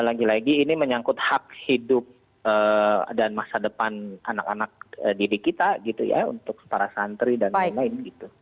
lagi lagi ini menyangkut hak hidup dan masa depan anak anak didik kita gitu ya untuk para santri dan lain lain gitu